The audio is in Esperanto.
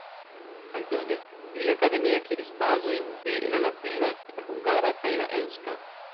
Aldone li akademie akiris bazojn de la latina, la hungara kaj la eŭska.